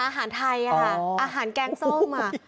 อาหารไทยค่ะอาหารแกงส้ม